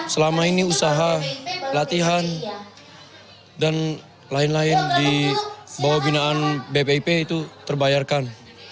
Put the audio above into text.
selama ini usaha latihan dan lain lain di bawah binaan bpip itu terbayarkan